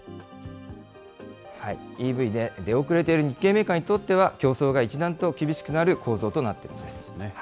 ＥＶで出遅れている日系メーカーにとっては、競争が一段と厳しくなる構造となっているんです。